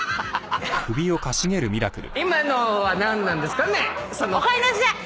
今のは何なんですかね。